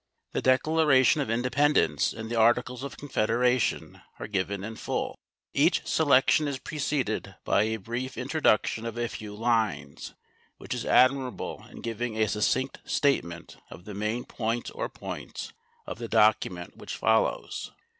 The Declaration of Independence and the Articles of Confederation are given in full. Each selection is preceded by a brief introduction of a few lines which is admirable in giving a succinct statement of the main point or points of the document which follows.